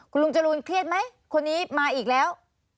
คุณลุงจรูนเครียดไหมคนนี้มาอีกแล้ว